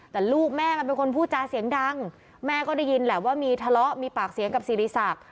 แต่ลูกแม่มันเป็นคนพูดจาเสียงดังแม่ก็ได้ยินแหละว่ามีทะเลาะมีปากเสียงกับสิริสัก